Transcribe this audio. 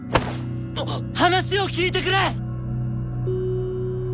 話を聞いてくれ！